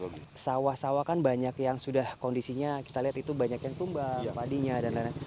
kalau sawah sawah kan banyak yang sudah kondisinya kita lihat itu banyak yang tumbang padinya dan lain lain